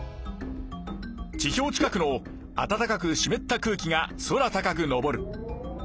地表近くのあたたかくしめった空気が空高くのぼる。